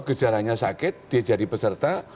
gejalanya sakit dia jadi peserta